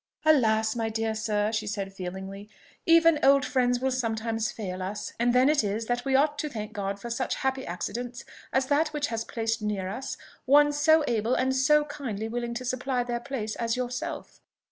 "Alas! my dear sir," she said feelingly, "even old friends will sometimes fail us; and then it is that we ought to thank God for such happy accidents as that which has placed near us one so able and kindly willing to supply their place as yourself.